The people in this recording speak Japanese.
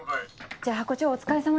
じゃハコ長お疲れさまでした。